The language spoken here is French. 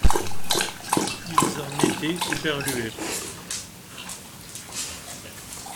Ils en étaient éberlués.